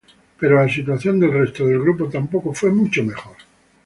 Pero, la situación del resto del grupo tampoco fue mucho mejor.